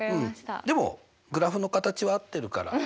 うんでもグラフの形は合ってるから。